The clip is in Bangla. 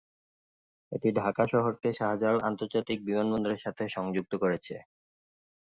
এটি ঢাকা শহরকে শাহজালাল আন্তর্জাতিক বিমানবন্দরের সাথে সংযুক্ত করেছে।